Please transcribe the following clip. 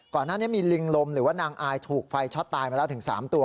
ก่อนหน้านี้มีลิงลมหรือว่านางอายถูกไฟช็อตตายมาแล้วถึง๓ตัว